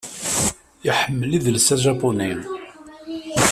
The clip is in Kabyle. Iḥemmel idles ajabuni